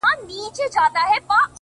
• خپـله گرانـه مړه مي په وجود كي ده،